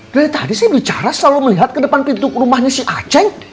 dari tadi saya bicara selalu melihat kedepan pintu rumahnya si aceng